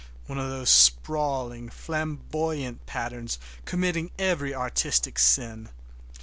One of those sprawling flamboyant patterns committing every artistic sin.